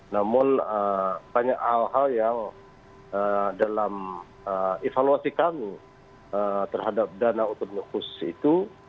namun banyak hal hal yang dalam evaluasi kami terhadap dana otonomi khusus itu